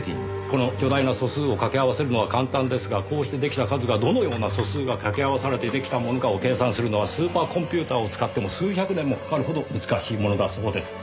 この巨大な素数を掛け合わせるのは簡単ですがこうして出来た数がどのような素数が掛け合わされて出来たものかを計算するのはスーパーコンピューターを使っても数百年もかかるほど難しいものだそうです。